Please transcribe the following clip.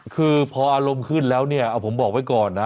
คือพออารมณ์ขึ้นแล้วเนี่ยเอาผมบอกไว้ก่อนนะ